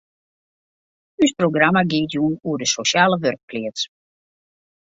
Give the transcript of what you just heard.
Us programma giet jûn oer de sosjale wurkpleats.